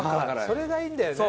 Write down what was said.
それがいいんだよね。